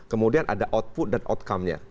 kemudian ada output dan outcome nya